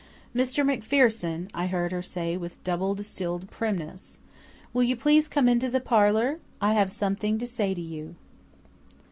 "Mr. MacPherson," I heard her say with double distilled primness, "will you please come into the parlour? I have something to say to you."